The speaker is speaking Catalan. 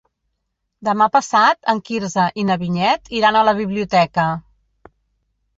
Demà passat en Quirze i na Vinyet iran a la biblioteca.